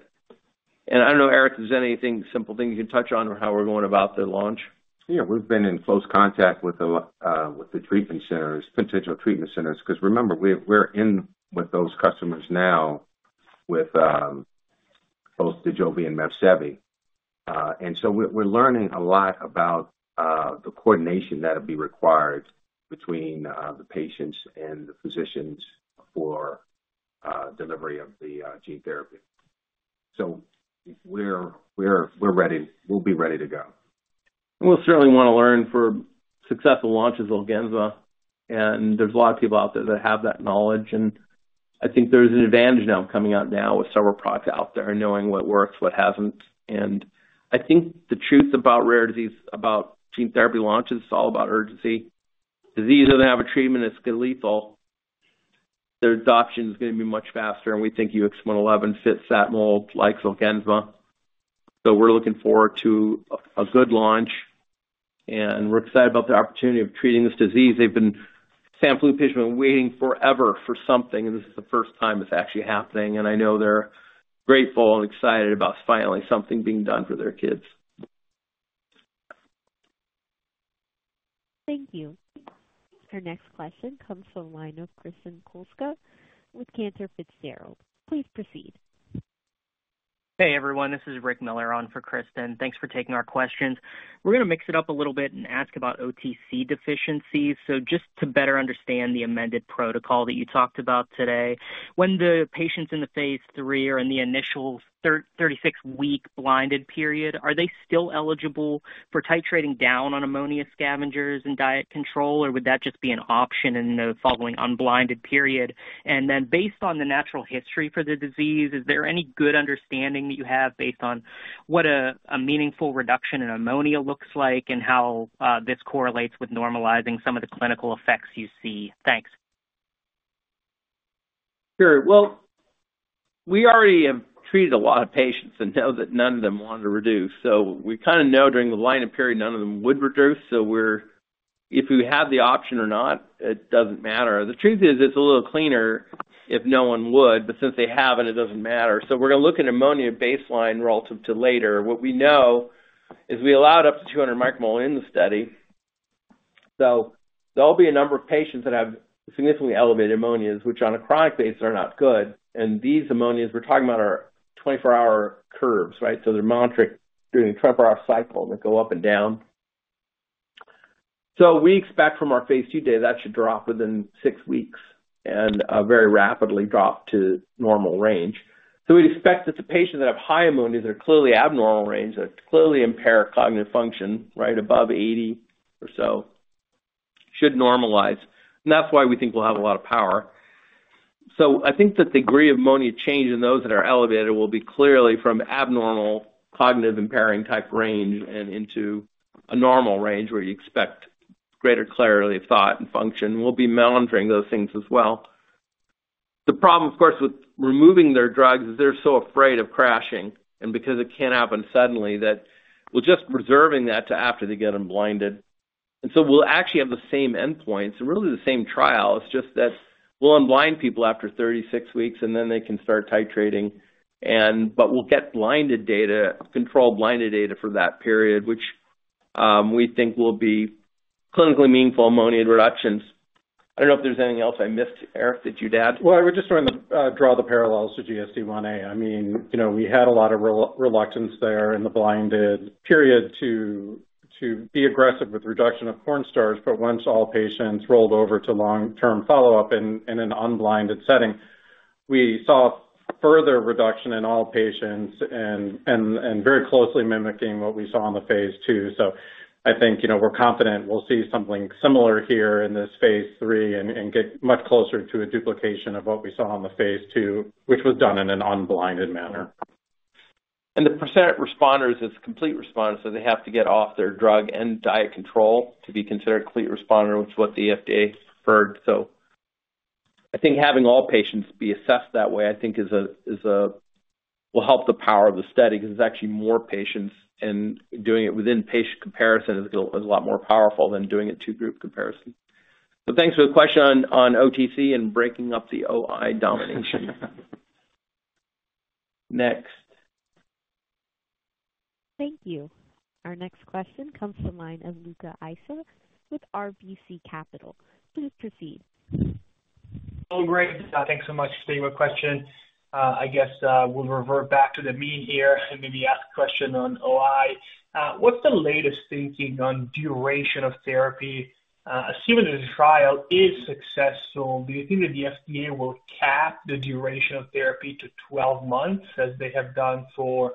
And I don't know, Eric, if there's any simple thing you can touch on or how we're going about the launch? Yeah. We've been in close contact with the treatment centers, potential treatment centers, because remember, we're in with those customers now with both Dojolvi and Mepsevii. And so we're learning a lot about the coordination that will be required between the patients and the physicians for delivery of the gene therapy. So we're ready. We'll be ready to go. We'll certainly want to learn from successful launches of Zolgensma. There's a lot of people out there that have that knowledge. I think there's an advantage to coming out now with several products out there and knowing what works, what hasn't. I think the truth about rare disease, about gene therapy launches, it's all about urgency. Disease doesn't have a treatment. It's going to be lethal. Their adoption is going to be much faster. We think UX111 fits that mold like Zolgensma. We're looking forward to a good launch. We're excited about the opportunity of treating this disease. They've been stepping through the pain, waiting forever for something. This is the first time it's actually happening. I know they're grateful and excited about finally something being done for their kids. Thank you. Our next question comes from the line of Kristen Kluska with Cantor Fitzgerald. Please proceed. Hey, everyone. This is Rick Miller on for Kristen. Thanks for taking our questions. We're going to mix it up a little bit and ask about OTC deficiencies. So just to better understand the amended protocol that you talked about today, when the patients in the phase III are in the initial 36-week blinded period, are they still eligible for titrating down on ammonia scavengers and diet control, or would that just be an option in the following unblinded period? And then based on the natural history for the disease, is there any good understanding that you have based on what a meaningful reduction in ammonia looks like and how this correlates with normalizing some of the clinical effects you see? Thanks. Sure. Well, we already have treated a lot of patients and know that none of them wanted to reduce. So we kind of know during the blinded period, none of them would reduce. So if we have the option or not, it doesn't matter. The truth is it's a little cleaner if no one would. But since they haven't, it doesn't matter. So we're going to look at ammonia baseline relative to later. What we know is we allowed up to 200 micromole in the study. So there'll be a number of patients that have significantly elevated ammonia, which on a chronic basis are not good. And these ammonia we're talking about are 24-hour curves, right? So they're monitoring during a 24-hour cycle, and they go up and down. So we expect from our phase II data that should drop within six weeks and very rapidly drop to normal range. So, we'd expect that the patients that have high ammonia that are clearly abnormal range, that clearly impair cognitive function, right, above 80 or so, should normalize. And that's why we think we'll have a lot of power. So, I think that the degree of ammonia change in those that are elevated will be clearly from abnormal cognitive impairing type range and into a normal range where you expect greater clarity of thought and function. We'll be monitoring those things as well. The problem, of course, with removing their drugs is they're so afraid of crashing and because it can happen suddenly that we're just reserving that to after they get unblinded. And so we'll actually have the same endpoints and really the same trial. It's just that we'll unblind people after 36 weeks, and then they can start titrating. We'll get controlled blinded data for that period, which we think will be clinically meaningful ammonia reductions. I don't know if there's anything else I missed, Eric, that you'd add. I would just want to draw the parallels to GSDIa. I mean, we had a lot of reluctance there in the blinded period to be aggressive with reduction of cornstarch. But once all patients rolled over to long-term follow-up in an unblinded setting, we saw further reduction in all patients and very closely mimicking what we saw in the phase II. So I think we're confident we'll see something similar here in this phase III and get much closer to a duplication of what we saw in the phase II, which was done in an unblinded manner. And the percent responders is complete responders. So they have to get off their drug and diet control to be considered a complete responder, which is what the FDA preferred. So I think having all patients be assessed that way, I think, will help the power of the study because it's actually more patients. And doing it within patient comparison is a lot more powerful than doing it in two-group comparison. So thanks for the question on OTC and breaking up the OI domination. Next. Thank you. Our next question comes from the line of Luca Issi with RBC Capital Markets. Please proceed. Oh, great. Thanks so much for taking my question. I guess we'll revert back to the meeting here and maybe ask a question on OI. What's the latest thinking on duration of therapy? Assuming that the trial is successful, do you think that the FDA will cap the duration of therapy to 12 months as they have done for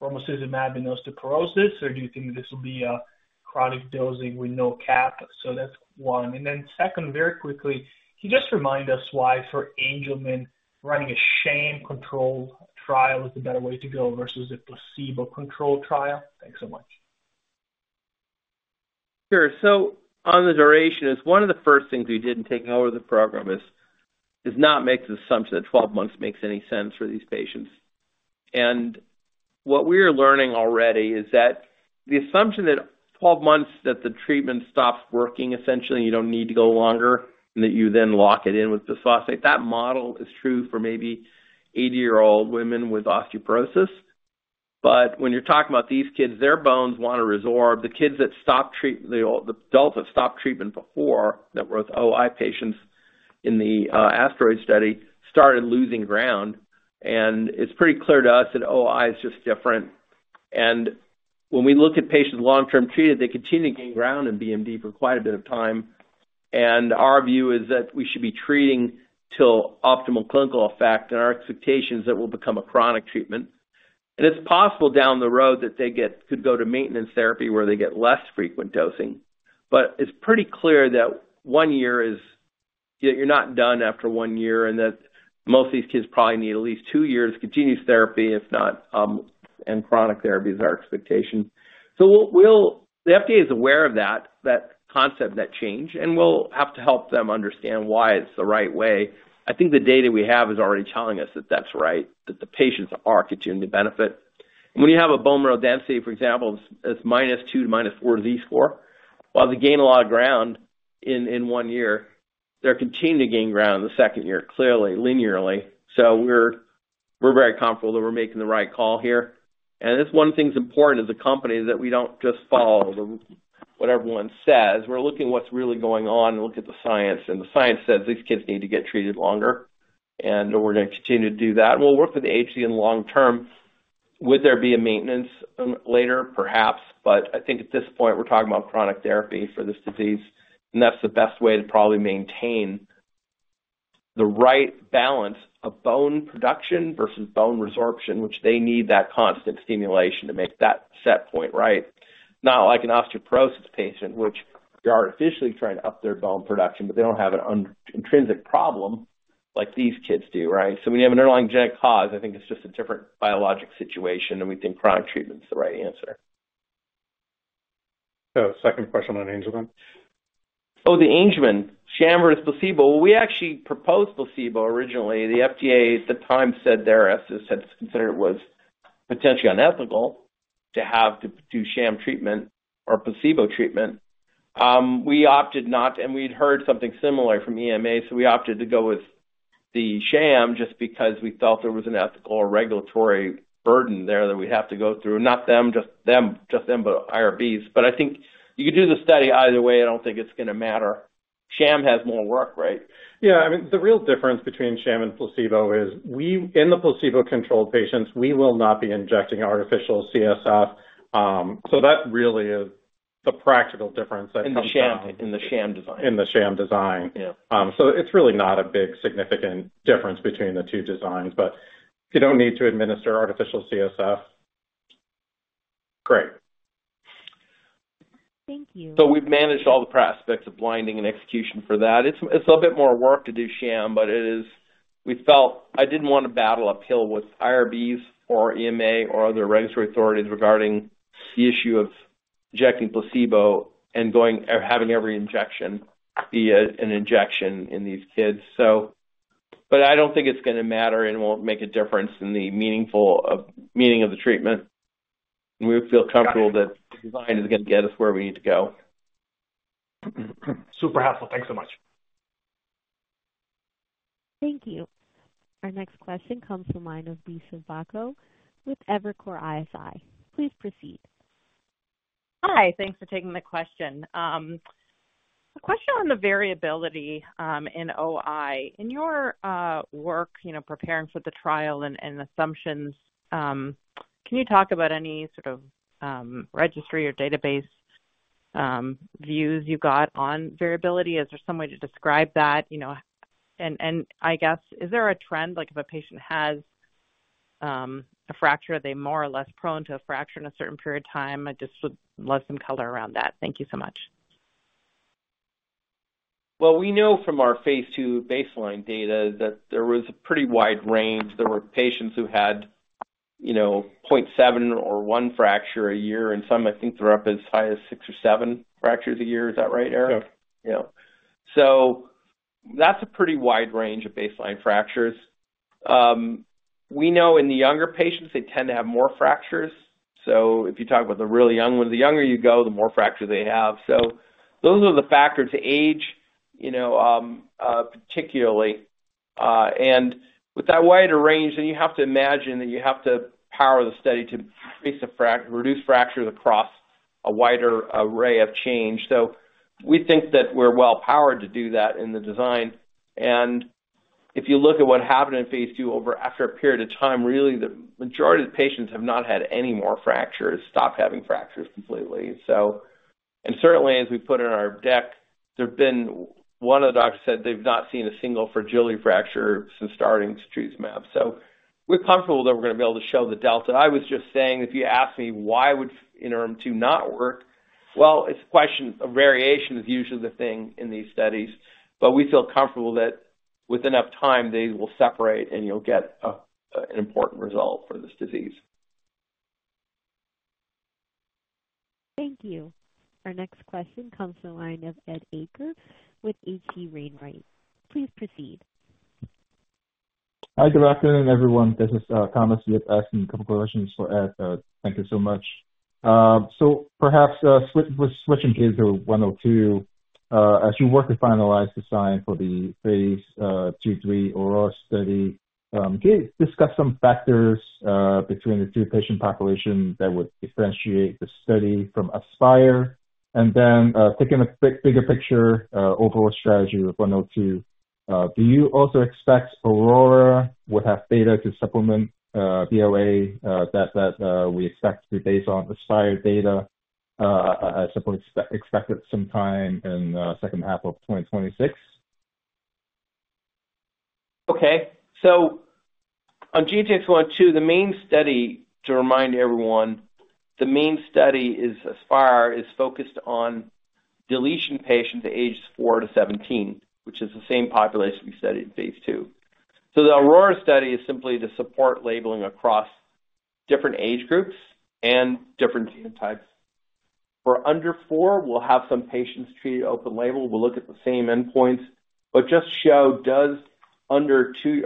rheumatoid, AS, and osteoporosis? Or do you think this will be a chronic dosing with no cap? So that's one. And then second, very quickly, can you just remind us why for Angelman running a sham control trial is the better way to go versus a placebo control trial? Thanks so much. Sure. So on the duration, one of the first things we did in taking over the program is not make the assumption that 12 months makes any sense for these patients. What we're learning already is that the assumption that 12 months that the treatment stops working, essentially, you don't need to go longer and that you then lock it in with bisphosphonate. That model is true for maybe 80-year-old women with osteoporosis. When you're talking about these kids, their bones want to resorb the kids that stopped treatment, the adults that stopped treatment before that were with OI patients in the Orbit study started losing ground. It's pretty clear to us that OI is just different. When we look at patients long-term treated, they continue to gain ground in BMD for quite a bit of time. Our view is that we should be treating till optimal clinical effect. Our expectation is that it will become a chronic treatment. It's possible down the road that they could go to maintenance therapy where they get less frequent dosing. But it's pretty clear that one year, you're not done after one year and that most of these kids probably need at least two years of continuous therapy, if not, and chronic therapy is our expectation. The FDA is aware of that concept and that change. We'll have to help them understand why it's the right way. I think the data we have is already telling us that that's right, that the patients are continuing to benefit. When you have a bone mineral density, for example, that's minus two to minus four Z-score, while they gain a lot of ground in one year, they're continuing to gain ground in the second year, clearly, linearly. So we're very comfortable that we're making the right call here. And one of the things important as a company is that we don't just follow what everyone says. We're looking at what's really going on and look at the science. And the science says these kids need to get treated longer. And we're going to continue to do that. And we'll work with the agency in the long term. Would there be a maintenance later, perhaps. But I think at this point, we're talking about chronic therapy for this disease. And that's the best way to probably maintain the right balance of bone production versus bone resorption, which they need that constant stimulation to make that set point right. Not like an osteoporosis patient, which they're artificially trying to up their bone production, but they don't have an intrinsic problem like these kids do, right? So when you have an underlying genetic cause, I think it's just a different biologic situation. And we think chronic treatment is the right answer. So, second question on Angelman. Oh, the Angelman sham versus placebo. We actually proposed placebo originally. The FDA at the time said their estimates had considered it was potentially unethical to have to do sham treatment or placebo treatment. We opted not, and we'd heard something similar from EMA, so we opted to go with the sham just because we felt there was an ethical or regulatory burden there that we'd have to go through. Not them, but IRBs, but I think you could do the study either way. I don't think it's going to matter. Sham has more work, right? Yeah. I mean, the real difference between sham and placebo is in the placebo-controlled patients, we will not be injecting artificial CSF. So that really is the practical difference. In the sham design. In the sham design. So it's really not a big significant difference between the two designs. But if you don't need to administer artificial CSF, great. Thank you. So we've managed all the aspects of blinding and execution for that. It's a little bit more work to do sham, but it is, we felt, I didn't want to battle uphill with IRBs or EMA or other regulatory authorities regarding the issue of injecting placebo and having every injection be an injection in these kids. But I don't think it's going to matter and won't make a difference in the meaning of the treatment. And we feel comfortable that the design is going to get us where we need to go. Super helpful. Thanks so much. Thank you. Our next question comes from the line of Liisa Bayko with Evercore ISI. Please proceed. Hi. Thanks for taking the question. A question on the variability in OI. In your work preparing for the trial and assumptions, can you talk about any sort of registry or database views you got on variability? Is there some way to describe that? And I guess, is there a trend? If a patient has a fracture, are they more or less prone to a fracture in a certain period of time? I just would love some color around that. Thank you so much. We know from our phase II baseline data that there was a pretty wide range. There were patients who had 0.7 or one fracture a year, and some, I think, threw up as high as six or seven fractures a year. Is that right, Eric? Yeah. Yeah. So that's a pretty wide range of baseline fractures. We know in the younger patients, they tend to have more fractures. So if you talk about the really young ones, the younger you go, the more fractures they have. So those are the factors to age, particularly. And with that wider range, then you have to imagine that you have to power the study to reduce fractures across a wider array of change. So we think that we're well-powered to do that in the design. And if you look at what happened in phase II after a period of time, really, the majority of the patients have not had any more fractures or stopped having fractures completely. And certainly, as we put in our deck, one of the doctors said they've not seen a single fragility fracture since starting to treat setrusumab. So, we're comfortable that we're going to be able to show the delta. I was just saying, if you asked me why would interim 2 not work. Well, it's a question of variation. It's usually the thing in these studies. But we feel comfortable that with enough time, they will separate, and you'll get an important result for this disease. Thank you. Our next question comes from the line of Ed Arce with H.C. Wainwright. Please proceed. Hi. Good afternoon, everyone. This is Thomas with a couple of questions for Ed. So thank you so much. So perhaps switching kids to 102, as you work to finalize the design for the phase II/3 AURORA study, can you discuss some factors between the two patient populations that would differentiate the study from Aspire? And then taking a bigger picture, overall strategy with 102, do you also expect AURORA would have data to supplement the NDA that we expect to base on Aspire data as expected sometime in the second half of 2026? Okay. So, on GTX-102, the main study, to remind everyone, the main study, Aspire, is focused on deletion patients aged 4-17, which is the same population we studied in phase II. So, the AURORA study is simply to support labeling across different age groups and different genotypes. For under 4, we'll have some patients treated open-label. We'll look at the same endpoints. But just show does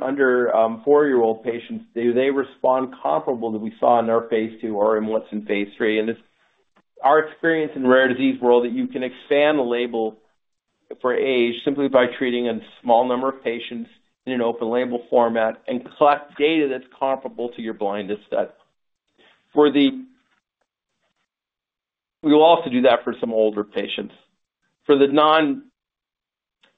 under 4-year-old patients, do they respond comparable to what we saw in our phase II or in what's in phase III? And it's our experience in the rare disease world that you can expand the label for age simply by treating a small number of patients in an open-label format and collect data that's comparable to your blinded set. We will also do that for some older patients. For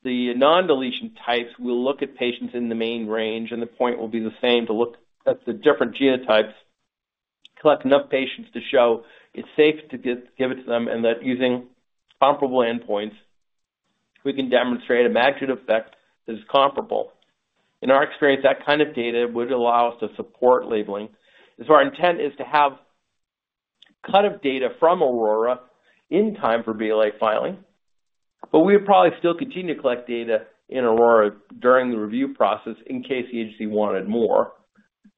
the non-deletion types, we'll look at patients in the main range, and the point will be the same to look at the different genotypes, collect enough patients to show it's safe to give it to them and that using comparable endpoints, we can demonstrate a magnitude effect that is comparable. In our experience, that kind of data would allow us to support labeling, so our intent is to have a cut of data from AURORA in time for BLA filing, but we would probably still continue to collect data in AURORA during the review process in case the agency wanted more.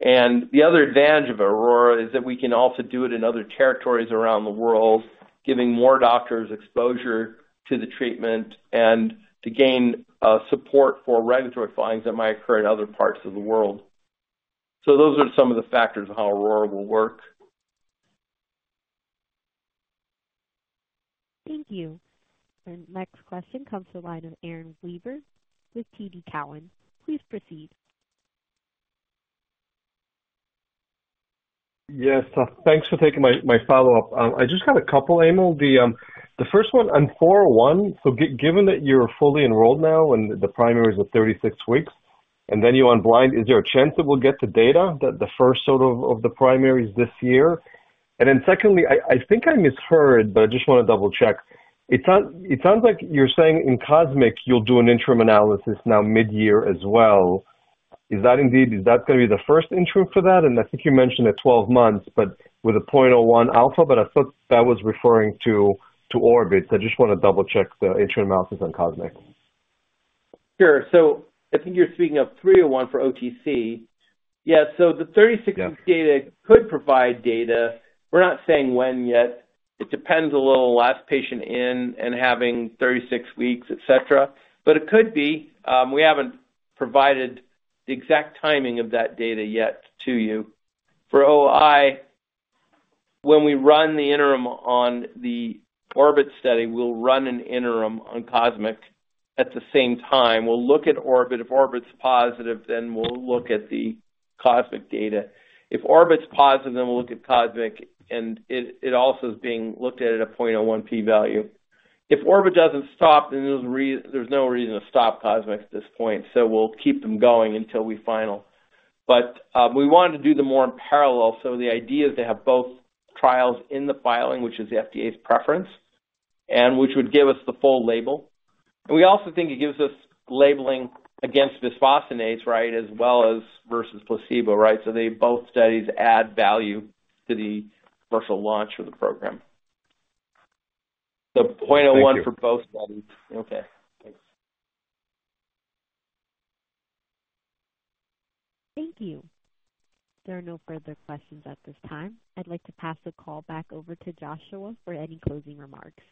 The other advantage of AURORA is that we can also do it in other territories around the world, giving more doctors exposure to the treatment and to gain support for regulatory findings that might occur in other parts of the world. So those are some of the factors of how AURORA will work. Thank you. Our next question comes from the line of Yaron Werber with TD Cowen. Please proceed. Yes. Thanks for taking my follow-up. I just got a couple, Emil. The first one on DTX401. So given that you're fully enrolled now and the primary is at 36 weeks, and then you're on blind, is there a chance that we'll get the data, the first sort of the primaries this year? And then secondly, I think I misheard, but I just want to double-check. It sounds like you're saying in COSMIC, you'll do an interim analysis now mid-year as well. Is that going to be the first interim for that? And I think you mentioned at 12 months, but with a 0.01 alpha. But I thought that was referring to ORBIT. I just want to double-check the interim analysis on COSMIC. Sure. So I think you're speaking of 301 for OTC. Yeah. So the 36-week data could provide data. We're not saying when yet. It depends a little on the last patient in and having 36 weeks, etc. But it could be. We haven't provided the exact timing of that data yet to you. For OI, when we run the interim on the ORBIT study, we'll run an interim on COSMIC at the same time. We'll look at ORBIT. If ORBIT's positive, then we'll look at the COSMIC data. If ORBIT's positive, then we'll look at COSMIC. And it also is being looked at at a 0.01 p-value. If ORBIT doesn't stop, then there's no reason to stop COSMIC at this point. So we'll keep them going until we final. But we wanted to do them more in parallel. So the idea is to have both trials in the filing, which is the FDA's preference, and which would give us the full label. And we also think it gives us labeling against bisphosphonates, right, as well as versus placebo, right? So both studies add value to the commercial launch of the program. The 0.01 for both studies. Okay. Thanks. Thank you. There are no further questions at this time. I'd like to pass the call back over to Joshua for any closing remarks.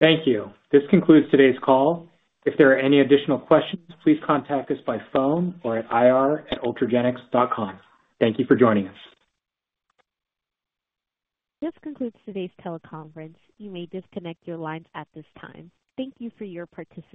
Thank you. This concludes today's call. If there are any additional questions, please contact us by phone or at ir@ultragenyx.com. Thank you for joining us. This concludes today's teleconference. You may disconnect your lines at this time. Thank you for your participation.